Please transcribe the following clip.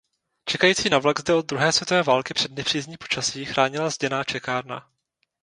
Čekající na vlak zde od druhé světové války před nepřízní počasí chránila zděná čekárna.